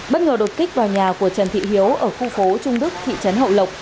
bất ngờ đột kích vào nhà của trần thị hiếu ở khu phố trung đức thị trấn hậu lộc